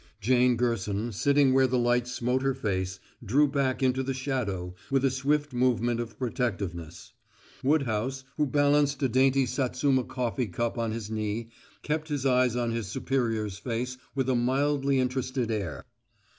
Jane Gerson, sitting where the light smote her face, drew back into the shadow with a swift movement of protectiveness. Woodhouse, who balanced a dainty Satsuma coffee cup on his knee, kept his eyes on his superior's face with a mildly interested air.